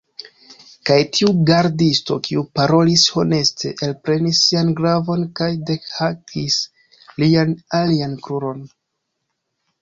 Kaj tiu gardisto, kiu parolis honeste, elprenis sian glavon kaj dehakis lian alian kruron.